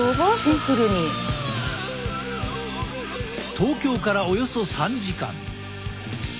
東京からおよそ３時間。